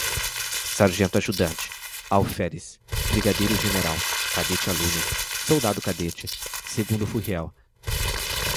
Sargento-Ajudante, Alferes, Brigadeiro-General, Cadete-Aluno, Soldado-Cadete, Segundo-Furriel